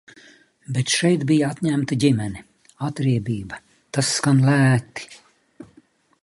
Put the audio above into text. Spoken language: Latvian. Bet šeit bija atņemta ģimene. Atriebība, tas skan lēti.